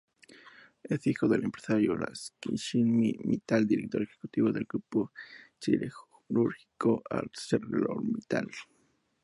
Es hijo del empresario Lakshmi Mittal, director ejecutivo del grupo siderúrgico ArcelorMittal.